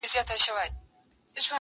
ته مي کله هېره کړې يې_